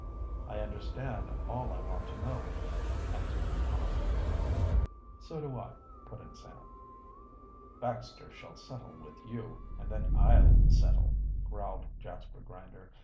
"I understand all I want to know," answered Tom briefly. "So do I," put in Sam. "Baxter shall settle with you, and then I'll settle," growled Jasper Grinder.